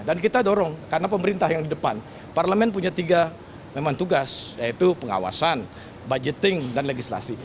dan kita dorong karena pemerintah yang di depan parlamen punya tiga memang tugas yaitu pengawasan budgeting dan legislasi